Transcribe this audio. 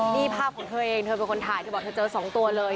นี่ภาพของเธอเองเธอเป็นคนถ่ายเธอบอกเธอเจอ๒ตัวเลย